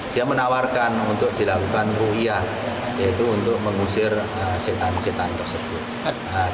dia menawarkan untuk dilakukan ruiyah yaitu untuk mengusir setan setan tersebut